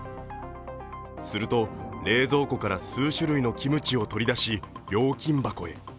すると、冷蔵庫から数種類のキムチを取り出し料金箱へ。